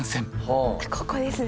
あここですね。